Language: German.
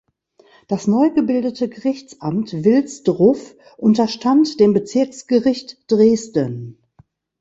Das neu gebildete Gerichtsamt Wilsdruff unterstand dem Bezirksgericht Dresden.